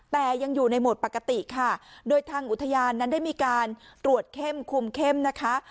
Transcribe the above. แต่ยังอยู่ในโหมดปกติค่ะโดยทางอุทยานนั้นได้มีการตรวจเข้มคุมเข้มนะคะ